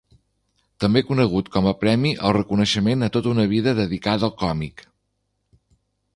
També conegut com a premi al reconeixement a tota una vida dedicada al còmic.